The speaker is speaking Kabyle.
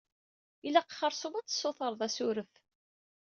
Ilaq xersum ad tsutreḍ asuref.